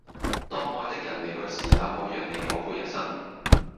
當愛的人離去時也可讓你後悔一生